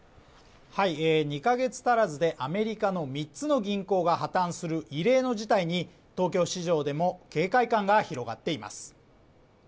２ヶ月足らずでアメリカの三つの銀行が破綻する異例の事態に東京市場でも警戒感が広がっています。